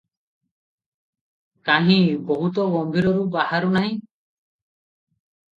କାହିଁ, ବୋହୂ ତ ଗମ୍ଭୀରୀରୁ ବାହାରୁ ନାହିଁ?